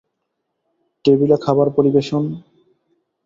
টেবিলে খাবার পরিবেশন?